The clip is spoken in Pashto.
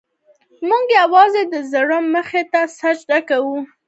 موږ یوازې د زور مخې ته سجده کوو.